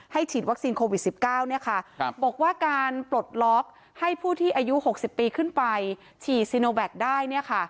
ฉีดวัคซีนโควิด๑๙บอกว่าการปลดล็อกให้ผู้ที่อายุ๖๐ปีขึ้นไปฉีดซีโนแวคได้